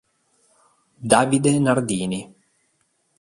Davide Nardini